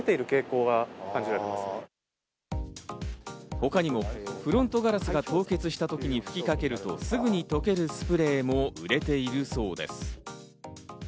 他にもフロントガラスが凍結した時に吹きかけるとすぐに溶けるスプレーも売れているそうです。